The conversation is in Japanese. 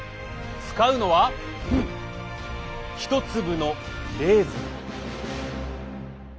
使うのは１粒のレーズン。